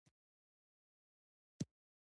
تقریبا دوه نیم کاله تېر شوي دي.